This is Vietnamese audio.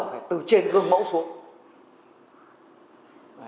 phải từ trên gương mẫu xuống